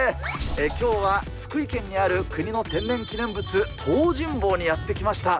今日は福井県にある国の天然記念物の東尋坊にやってきました。